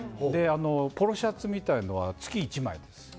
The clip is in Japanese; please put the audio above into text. ポロシャツみたいなのは月１枚なんです。